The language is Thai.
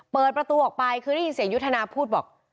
เปิดประตูออกไปคือได้ยินเสียงยุทธนาพูดบอก